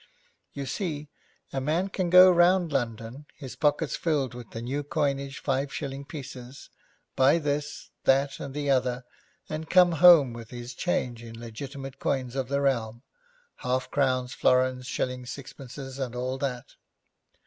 You see, a man can go round London, his pockets filled with new coinage five shilling pieces, buy this, that, and the other, and come home with his change in legitimate coins of the realm half crowns, florins, shillings, sixpences, and all that.'